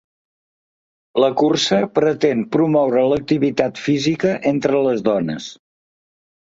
La cursa pretén promoure l’activitat física entre les dones.